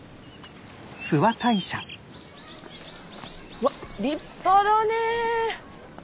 うわっ立派だね。